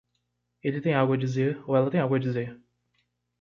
Ele tem algo a dizer ou ela tem algo a dizer.